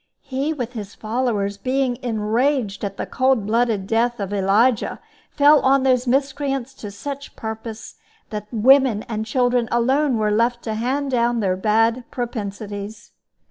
He, with his followers, being enraged at the cold blooded death of Elijah, fell on those miscreants to such purpose that women and children alone were left to hand down their bad propensities.